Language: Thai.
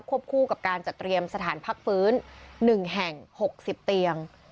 คู่กับการจัดเตรียมสถานพักฟื้น๑แห่ง๖๐เตียง